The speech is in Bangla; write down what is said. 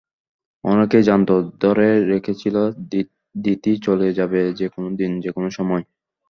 অনেকেই জানত, ধরে রেখেছিল দিতি চলে যাবে যেকোনো দিন, যেকোনো সময়।